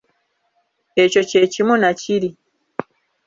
Ekyo kye kimu na kiri.